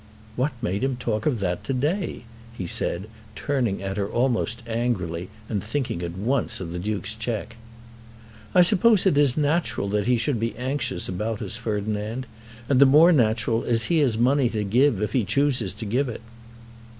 "What made him talk of that to day?" he said, turning at her almost angrily and thinking at once of the Duke's cheque. "I suppose it is natural that he should be anxious about us, Ferdinand; and the more natural as he has money to give if he chooses to give it."